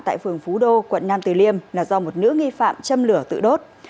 tại phường phú đô quận nam từ liêm là do một nữ nghi phạm châm lửa tự đốt